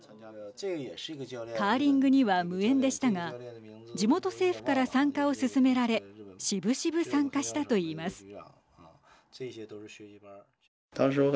カーリングには無縁でしたが地元政府から参加を勧められしぶしぶ参加したといいます。